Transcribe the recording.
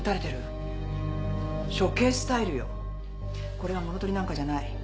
これは物取りなんかじゃない。